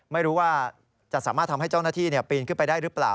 ไม่รู้ว่าจะสามารถทำให้เจ้าหน้าที่ปีนขึ้นไปได้หรือเปล่า